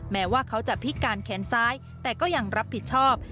แม้ว่าเขาจะพิการแขนซ้ายแต่ก็ยังรับผิดชอบ